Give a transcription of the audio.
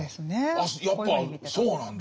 あやっぱそうなんだと。